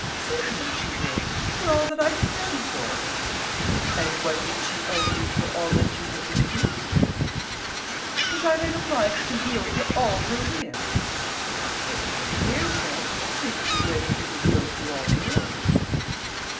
"Certainly she did, for all that I have done for her?" "And what did she owe you for all that you have refused her?" "Was I then obliged to yield to all her whims?" "It would appear so, since you wished her to yield to all yours."